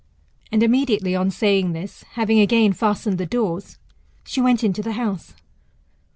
And immediately on saying this, having again fastened the doors, she went into the house.